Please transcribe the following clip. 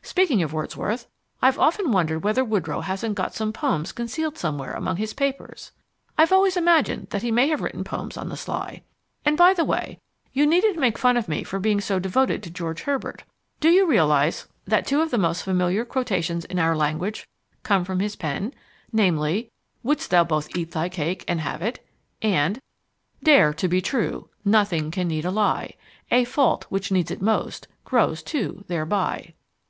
Speaking of Wordsworth, I've often wondered whether Woodrow hasn't got some poems concealed somewhere among his papers! I've always imagined that he may have written poems on the sly. And by the way, you needn't make fun of me for being so devoted to George Herbert. Do you realize that two of the most familiar quotations in our language come from his pen, viz.: Wouldst thou both eat thy cake, and have it? and Dare to be true: nothing can need a ly; A fault, which needs it most, grows two thereby.